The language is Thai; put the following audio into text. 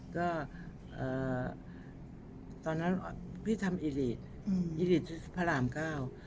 ก็ตอนนั้นพี่ทำอิริตอิริตพระรามเก้า